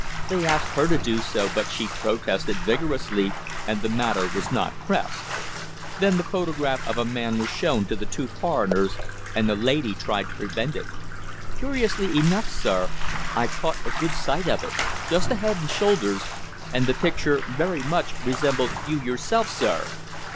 They asked her to do so, but she protested vigorously, and the matter was not pressed. Then the photograph of a man was shown to the two foreigners, and the lady tried to prevent it. Curiously enough, sir, I caught a good sight of it just a head and shoulders and the picture very much resembled you yourself, sir!"